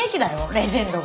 レジェンドが。